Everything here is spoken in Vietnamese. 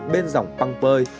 bên dòng păng pơi